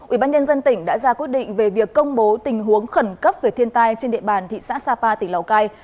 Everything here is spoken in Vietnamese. ủy ban nhân dân tỉnh đã ra quyết định về việc công bố tình huống khẩn cấp về thiên tai trên địa bàn thị xã sapa tỉnh lào cai